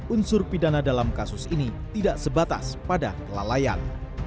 unsur pidana dalam kasus ini tidak sebatas pada kelalaian